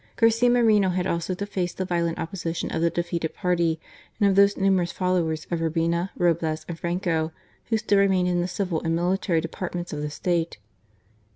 Garcia Moreno had also to face the violent opposition of the 104 GARCIA MORENO. defeated party and of those numerous followers of Urbina, Roblez, and Franco, who still remained in the civil and military departments of the State.